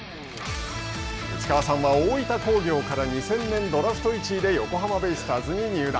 内川さんは大分工業から２０００年、ドラフト１位で横浜ベイスターズに入団。